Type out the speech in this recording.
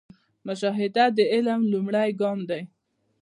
مشاهده د علم لومړی ګام دی